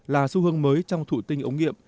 là xu hướng mới trong thụ tinh ống nghiệm